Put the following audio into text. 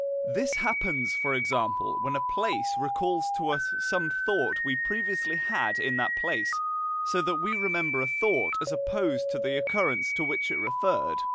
This happens, for example, when a place recalls to us some thought we previously had in that place, so that we remember a thought as opposed to the occurrence to which it referred.